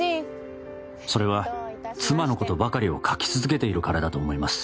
それは妻の事ばかりを書き続けているからだと思います